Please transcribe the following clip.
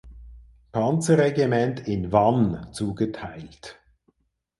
Panzerregiment in Vannes zugeteilt.